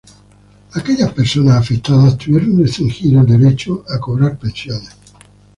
Aquellas personas afectadas, tuvieron restringido el derecho a cobrar pensiones.